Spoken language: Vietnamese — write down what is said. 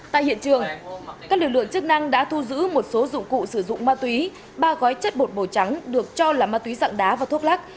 tại hiện trường các lực lượng chức năng đã thu giữ một số dụng cụ sử dụng ma túy ba gói chất bột màu trắng được cho là ma túy dạng đá và thuốc lắc